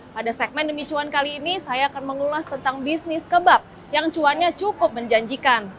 pada segmen demi cuan kali ini saya akan mengulas tentang bisnis kebab yang cuannya cukup menjanjikan